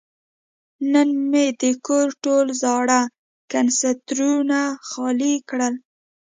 نن مې د کور ټول زاړه کنسترونه خالي کړل.